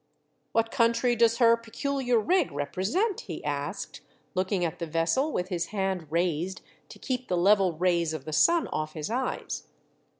"" What country does her peculiar rig represent?" he asked, looking at the vessel with his hand raised to keep the level rays of the sun off his eyes.